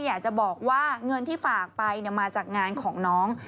อยากจะบอกว่าเงินที่ฝากไปมาจากงานของน้อง